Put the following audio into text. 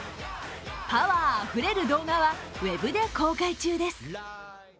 パワーあふれる動画は、ウェブで公開です。